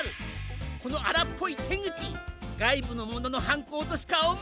このあらっぽいてぐちがいぶのもののはんこうとしかおもえん！